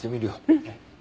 うん。